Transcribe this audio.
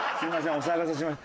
お騒がせしました。